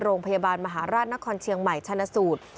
โรงพยาบาลมหาราชนครเชียงใหม่ชนะสูตร